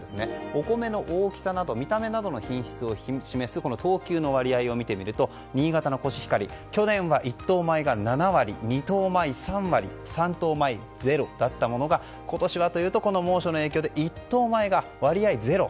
お米の大きさなど見た目の品質を示す等級の割合を見てみると新潟のコシヒカリ去年は１等米が７割２等米、３割３等米、ゼロだったものが今年は猛暑の影響でこの猛暑の影響で１等米が割合ゼロ。